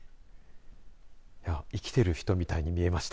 生きてる人みたいに見えました。